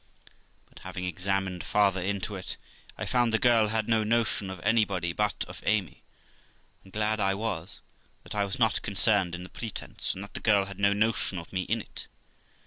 But, having examined farther into it, I found the girl had no notion of anybody but of Amy ; and glad I was, that I was not concerned in the pretence, and that the girl had no notion of me in it.